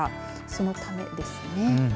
そのためですね。